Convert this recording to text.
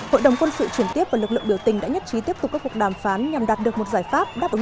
hội đồng quân sự chuyển tiếp và lực lượng biểu tình đã nhất trí tiếp tục các cuộc đàm phán nhằm đạt được một giải pháp đáp ứng